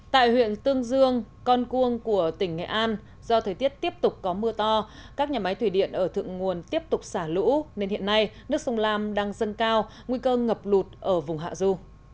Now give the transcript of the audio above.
tại huyện tương dương con cuông của tỉnh nghệ an do thời tiết tiếp tục có mưa to các nhà máy thủy điện ở thượng nguồn tiếp tục xả lũ nên hiện nay nước sông lam đang dâng cao nguy cơ ngập lụt ở vùng hạ du